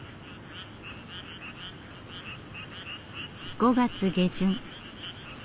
５月下旬。